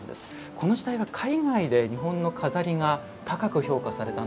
この時代は海外で日本の錺が高く評価されたんですか。